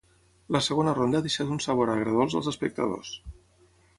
La segona ronda ha deixat un sabor agredolç als espectadors.